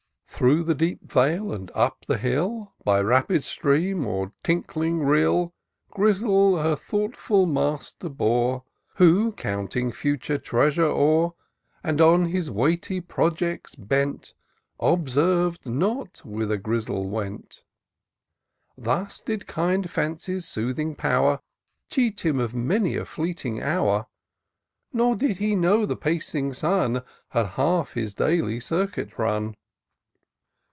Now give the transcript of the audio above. Through the deep vale, and up the hill. By rapid stream or tinkling rill. Grizzle her thoughtful master bore. Who, counting future treasure o'er. And, on his weighty projects bent, Observ'd not whither Grizzle went. Thus did kind Fancy's soothing power Cheat him of many a fleeting hour ; Nor did he know the pacing Sun Had half his daily circuit run.